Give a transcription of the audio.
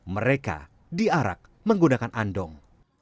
mereka diarak menggunakan andong